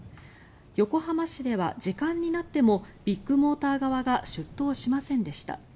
横浜市では時間になってもビッグモーター側が出頭しませんでした。